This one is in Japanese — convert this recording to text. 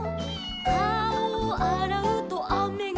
「かおをあらうとあめがふる」